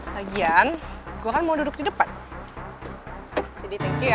lagi kan gue mau duduk di depan jadi thank you ya